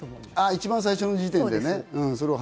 一番最初の時点でね。